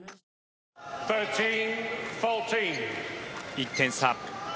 １点差。